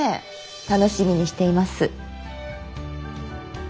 楽しみにしています。